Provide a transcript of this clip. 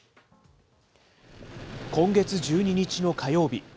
今月１２日の火曜日。